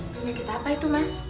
penyakit apa itu mas